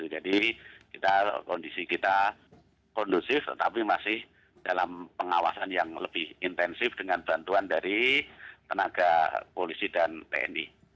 jadi kondisi kita kondusif tapi masih dalam pengawasan yang lebih intensif dengan bantuan dari tenaga polisi dan tni